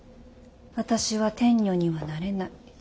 私は天女にはなれない。